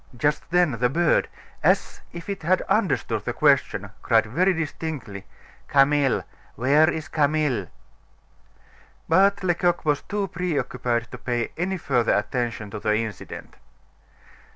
Just then the bird, as if it had understood the question, cried very distinctly: "Camille! Where is Camille?" But Lecoq was too preoccupied to pay any further attention to the incident.